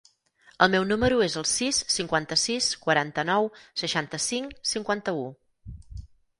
El meu número es el sis, cinquanta-sis, quaranta-nou, seixanta-cinc, cinquanta-u.